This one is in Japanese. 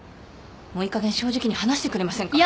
もういいかげん正直に話してくれませんか。